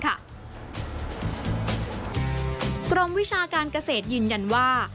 กรมวิชาการเกษตรยืนยันว่า